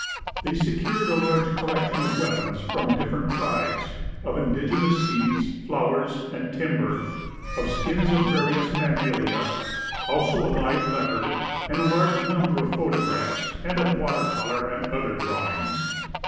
Tliey secured a large collection of weapons from different tribes, of indigenous seeds, flowers, and timber, of skins of various mammalia ; also a live leopard and a large number of photo graphs, and of water color and other drawings.